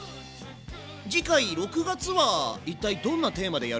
次回６月は一体どんなテーマでやるの？